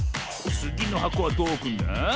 つぎのはこはどうおくんだ？